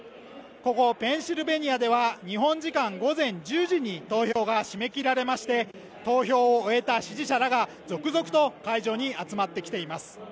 ここペンシルベニアでは日本時間午前１０時に投票が締め切られまして投票を終えた支持者らが続々と会場に集まってきています